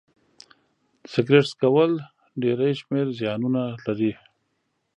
سيګرټ څکول ډيری شمېر زيانونه لري